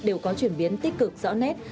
đều có chuyển biến tích cực rõ nét